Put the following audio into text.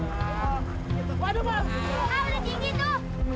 wah udah dingin tuh